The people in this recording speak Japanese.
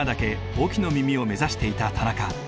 オキノ耳を目指していた田中。